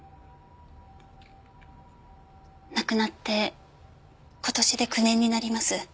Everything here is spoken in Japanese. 亡くなって今年で９年になります。